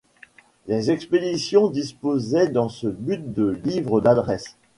Les expéditions disposaient dans ce but de livres d'adresses.